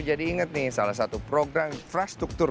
aku jadi ingat nih salah satu program infrastruktur